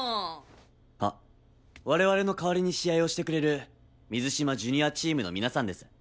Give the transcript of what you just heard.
あっ我々の代わりに試合をしてくれる水島ジュニアチームの皆さんです。